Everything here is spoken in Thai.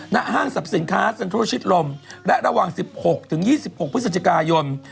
ห้างสรรพสินค้าเซ็นทรัลชิตลมและระหว่าง๑๖ถึง๒๖พฤศจิกายน